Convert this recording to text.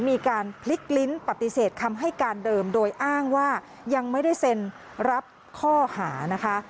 มีการพลิกลิ้นปฏิเสธคำให้การเดิมโดยอ้างว่ายังไม่ได้เซ็นรับข้อหานะคะ